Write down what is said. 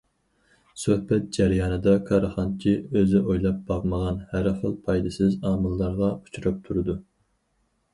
سۆھبەت جەريانىدا كارخانىچى ئۆزى ئويلاپ باقمىغان ھەر خىل پايدىسىز ئامىللارغا ئۇچراپ تۇرىدۇ.